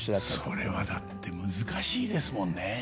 それはだって難しいですもんね。